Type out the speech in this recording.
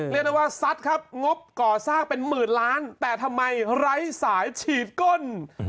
เรียกได้ว่าซัดครับงบก่อสร้างเป็นหมื่นล้านแต่ทำไมไร้สายฉีดก้น